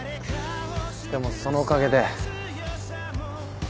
でもそのおかげで。